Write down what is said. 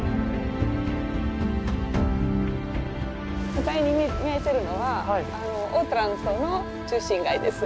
向かいに見えてるのはオートラントの中心街です。